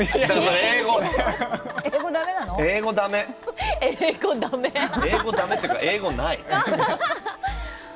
英語だめっていうか英語はない。